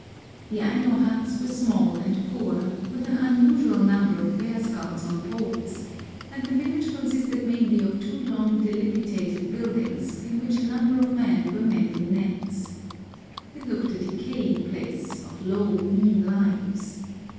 The Aino huts were small and poor, with an unusual number of bear skulls on poles, and the village consisted mainly of two long dilapidated buildings, in which a number of men were mending nets. It looked a decaying place, of low, mean lives.